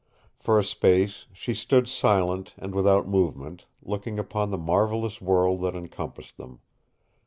For a space she stood silent and without movement, looking upon the marvelous world that encompassed them.